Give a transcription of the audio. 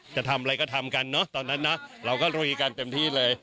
จะทำอะไรก็ทำกันเนอะตอนนั้นเนอะเราก็ลุยกันเต็มที่เลย